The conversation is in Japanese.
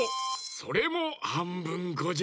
それもはんぶんこじゃ。